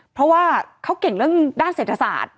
เพราะว่าเขาเก่งเรื่องด้านเศรษฐศาสตร์